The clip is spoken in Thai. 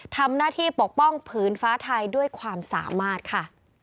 ทำหน้าที่ปกป้องผืนฟ้าไทยด้วยความสามารถค่ะ